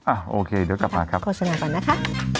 อ่ะโอเคเดี๋ยวกลับมาครับขอสนามก่อนนะคะ